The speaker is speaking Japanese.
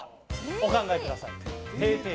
お考えください。